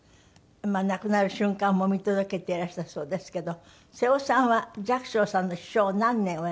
亡くなる瞬間も見届けていらしたそうですけど瀬尾さんは寂聴さんの秘書を何年おやりになった？